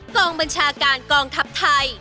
กองบัญชาการกองทัพไทย